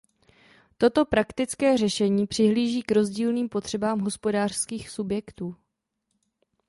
Toto praktické řešení přihlíží k rozdílným potřebám hospodářských subjektů.